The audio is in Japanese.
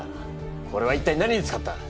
これは一体何に使った！？